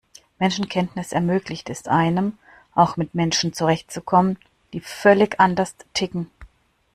Menschenkenntnis ermöglicht es einem, auch mit Menschen zurechtzukommen, die völlig anders ticken.